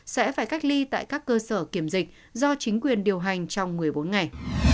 sẽ phải cách ly tại các cơ sở kiểm dịch do chính quyền điều hành trong một mươi bốn ngày